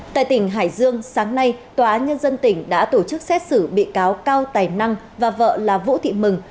tại tỉnh hải dương sáng nay tòa án nhân dân tỉnh đã tổ chức xét xử bị cáo cao tài năng và vợ là vũ thị mừng